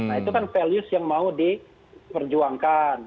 nah itu kan values yang mau diperjuangkan